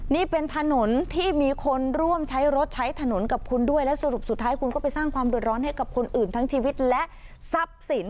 นี่เป็นถนนที่มีคนร่วมใช้รถใช้ถนนกับคุณด้วยและสรุปสุดท้ายคุณก็ไปสร้างความเดือดร้อนให้กับคนอื่นทั้งชีวิตและทรัพย์สิน